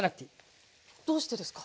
どうしてですか？